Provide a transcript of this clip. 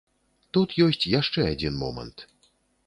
Тут ёсць яшчэ адзін момант.